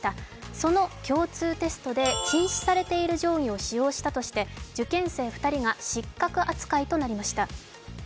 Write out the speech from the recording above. その共通テストで禁止されている定規を使用したとして受験生２人が失格扱いとなりました。